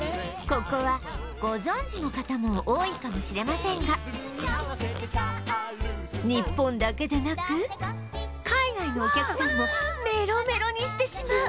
ここはご存じの方も多いかもしれませんが日本だけでなく海外のお客さんもメロメロにしてしまう